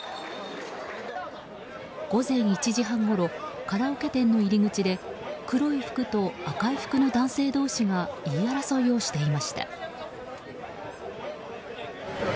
午前１時半ごろカラオケ店の入り口で黒い服と赤い服の男性同士が言い争いをしていました。